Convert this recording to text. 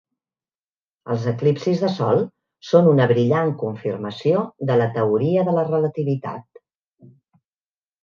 Els eclipsis del sol són una brillant confirmació de la teoria de la relativitat.